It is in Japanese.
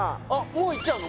もういっちゃうの？